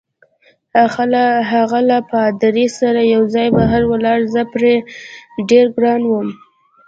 هغه له پادري سره یوځای بهر ولاړ، زه پرې ډېر ګران وم.